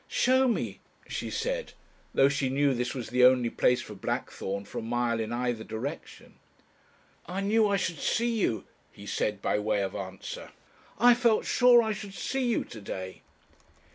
"Show me," she said, though she knew this was the only place for blackthorn for a mile in either direction. "I knew I should see you," he said, by way of answer, "I felt sure I should see you to day."